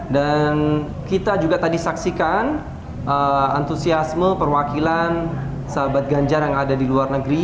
dan kita juga tadi saksikan antusiasme perwakilan sahabat ganjar yang ada di luar negeri